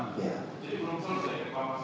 jadi belum selesai reklamasi